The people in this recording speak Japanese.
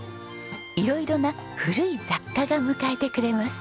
色々な古い雑貨が迎えてくれます。